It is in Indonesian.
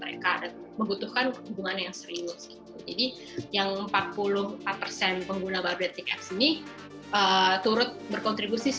mereka mengutuhkan hubungan yang serius ini yang empat puluh empat persen pengguna bab ini turut berkontribusi